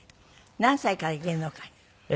何歳から芸能界に？